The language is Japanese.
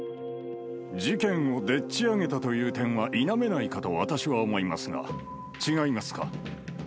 事件をでっちあげたという点は否めないかと私は思いますが、違いますか。